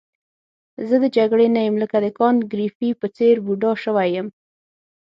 زه د جګړې نه یم لکه د کانت ګریفي په څېر بوډا شوی یم.